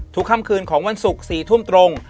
ค่ำคืนของวันศุกร์๔ทุ่มตรง